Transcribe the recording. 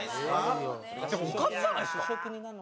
でもおかずじゃないですか？